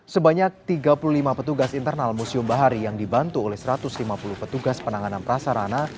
sebanyak tiga puluh lima petugas internal museum bahari yang dibantu oleh satu ratus lima puluh petugas penanganan prasarana